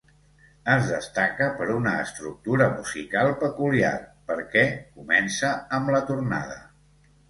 Es destaca per una estructura musical peculiar, perquè comença amb la tornada.